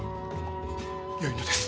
よいのです。